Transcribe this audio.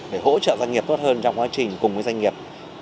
để hỗ trợ doanh nghiệp tốt hơn trong quá trình cùng với doanh nghiệp